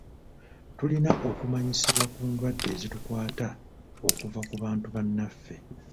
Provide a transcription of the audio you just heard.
Tulina okumanyisibwa ku ndwadde ezitukwata okuva ku bantu bannaffe.